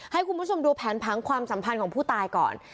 ให้คุณผู้ชมดูแผนผังความสัมพันธ์ของผู้ตายก่อน